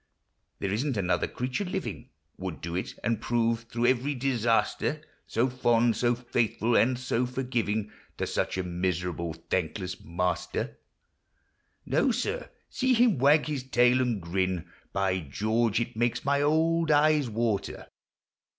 There isn't another creature living Would do it, and prove, through every disaster, So fond, so faithful, and so forgiving To such a miserable, thankless master ! No, sir !— see him wag his tail and grin ! By George! it makes my old eyes water!